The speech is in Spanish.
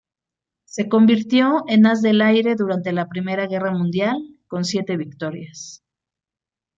Se convirtió en as del aire durante la Primera Guerra Mundial, con siete victorias.